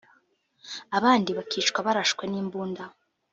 abandi bakicwa barashwe n’imbunda